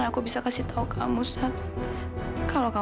aku masuk dulu ya